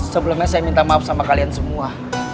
sebelumnya saya minta maaf sama kalian semua